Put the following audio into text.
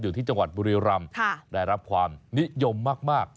ที่จังหวัดบุรีรำได้รับความนิยมมาก